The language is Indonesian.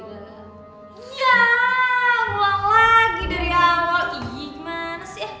iya pulang lagi dari awal igih gimana sih ya